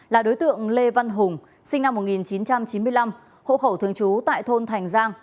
là đối tượng lê văn hùng sinh năm một nghìn chín trăm chín mươi năm hộ khẩu thường trú tại thôn thành giang